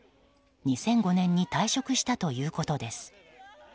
２００５年に退職したということです。